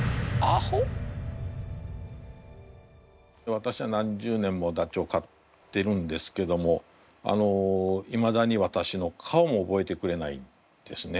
私は何十年もダチョウ飼ってるんですけどもいまだに私の顔も覚えてくれないんですね。